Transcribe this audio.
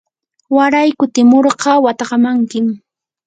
waray kutimurqa watkamankim.